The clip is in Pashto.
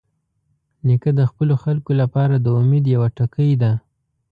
نیکه د خپلو خلکو لپاره د امید یوه ټکۍ ده.